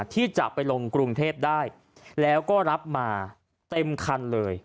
ที่จะไปลงกรุงเทพได้แล้วก็รับมาเต็มคันเลย